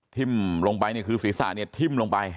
ทิ้มลงไปเนี่ยคือศีรษะเนี่ยทิ้มลงไป